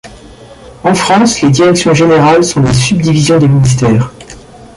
En France, les directions générales sont les subdivisions des ministères.